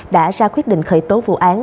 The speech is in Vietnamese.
đã ra quyết định khởi tố vụ án